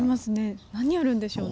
何やるんでしょうね。